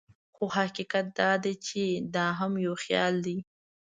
خو حقیقت دا دی چې دا هم یو خیال دی.